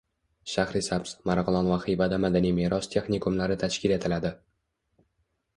Shahrisabz, Marg‘ilon va Xivada Madaniy meros texnikumlari tashkil etiladi